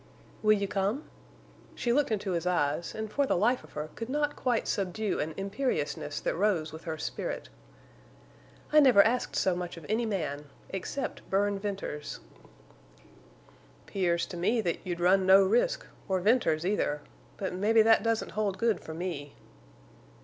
"Will you come?" She looked into his eyes, and for the life of her could not quite subdue an imperiousness that rose with her spirit. "I never asked so much of any man—except Bern Venters." "'Pears to me that you'd run no risk, or Venters, either. But mebbe that doesn't hold good for me."